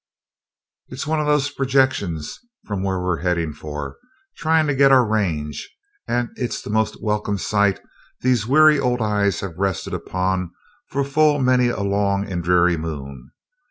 "It's one of those projections from where we're heading for, trying to get our range; and it's the most welcome sight these weary old eyes have rested upon for full many a long and dreary moon.